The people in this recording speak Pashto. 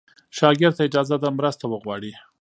شاګرد ته اجازه ده مرسته وغواړي.